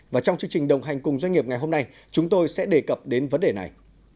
và trong chương trình đồng hành cùng doanh nghiệp ngày hôm nay chúng tôi sẽ đề cập đến vấn đề này